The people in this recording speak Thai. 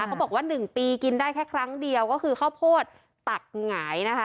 เขาบอกว่า๑ปีกินได้แค่ครั้งเดียวก็คือข้าวโพดตักหงายนะคะ